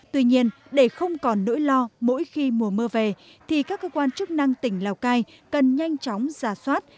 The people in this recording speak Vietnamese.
tuy nhiên để không còn nỗi lo mỗi khi mùa mưa về thì các cơ quan chức năng tỉnh lào cai cần nhanh chóng giả soát